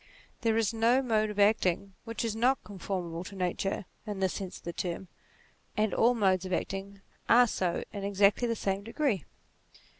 There is no mode of acting winch is not conformable to Nature in this sense of the term, and all modes of acting are so in 16 NATURE exactly the same degree.